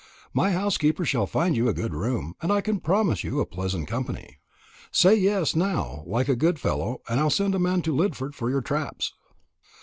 My housekeeper shall find you a good room; and I can promise you pleasant company. Say yes, now, like a good fellow, and I'll send a man to Lidford for your traps."